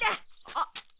あっ。